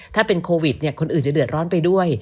ถ้าเป็นโควิดคนอื่นจะเดือดร้อนไปด้วย